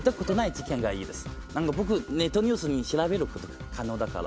僕ネットニュース調べること可能だから。